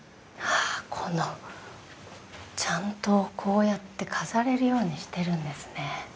このちゃんとこうやって飾れるようにしてるんですね。